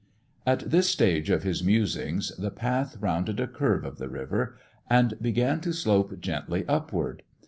At this stage of his musings the path rounded a curve of the river, and began to slope gently upward.